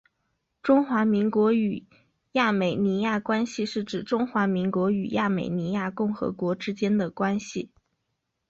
中华民国与亚美尼亚关系是指中华民国与亚美尼亚共和国之间的关系。